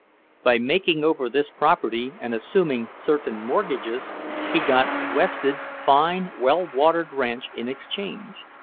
By making over this property, and assuming certain mortgages, he got Wested's fine, well watered ranch in exchange.